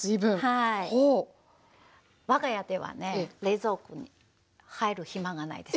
はい我が家ではね冷蔵庫に入る暇がないです。